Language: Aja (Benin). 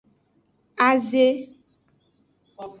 Aze.